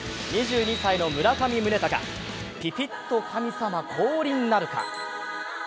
２２歳の村上宗隆、ピピッと神様降臨なるか。